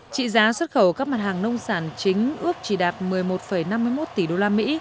trị giá xuất khẩu các mặt hàng nông sản chính ước chỉ đạt một mươi một năm mươi một tỷ usd